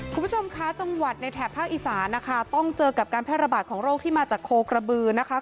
คุณผู้ชมคะจังหวัดในแถบภาคอีสานนะคะต้องเจอกับการแพร่ระบาดของโรคที่มาจากโคกระบือนะคะ